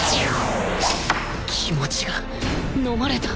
気持ちがのまれた！